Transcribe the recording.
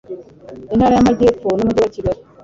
intara y amajyepfo nu mujyi wakigali